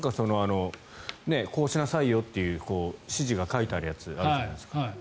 こうしなさいよという指示が書いてあるやつあるじゃないですか。